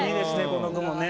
この句もね。